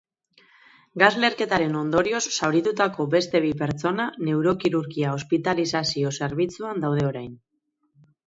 Gas-leherketaren ondorioz zauritutako beste bi pertsona neurokirurgia ospitalizazio zerbitzuan daude orain.